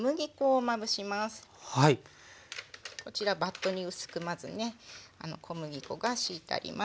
こちらバットに薄くまずね小麦粉が敷いてあります。